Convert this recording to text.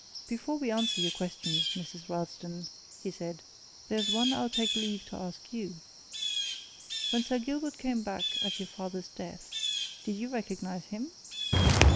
"Before we answer your questions, Mrs. Ralston," he said, "there's one I'll take leave to ask you. When Sir Gilbert came back at your father's death, did you recognize him?"